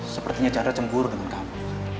sepertinya chandra cemburu dengan kamu